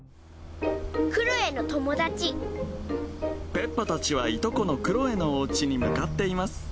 ペッパたちはいとこのクロエのおうちに向かっています